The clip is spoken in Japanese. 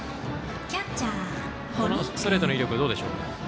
このストレートの威力どうでしょうか？